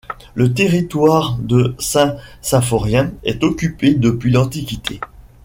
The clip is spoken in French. Le territoire de Saint Symphorien est occupé depuis l'antiquité.